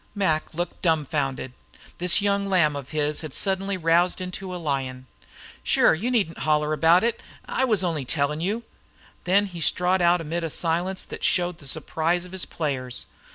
Mac looked dumfounded. This young lamb of his had suddenly roused into a lion. "Shure you needn't holler about it. I was only tellin' you." Then he strode out amid a silence that showed the surprise of his players.